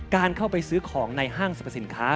การเข้าไปซื้อของในห้างสรรพสินค้า